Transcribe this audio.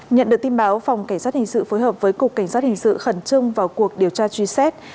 nhận được tin báo phòng cảnh sát hình sự phối hợp với cục cảnh sát hình sự khẩn trương vào cuộc điều tra truy xét